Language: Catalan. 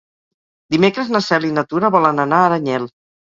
Dimecres na Cel i na Tura volen anar a Aranyel.